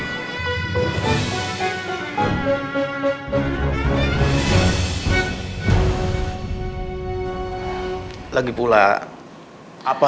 reina sudah mempunyai seorang papa